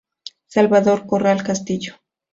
Salvador Corral Castillo